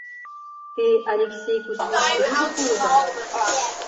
Те Алексей Кузьмич Грибов улыда?